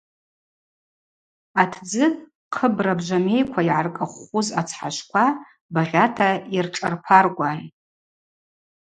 Атдзы хъыбра бжвамейква йгӏаркӏахвхвуз ацхӏашвква багъьата йыршӏарпаркӏван.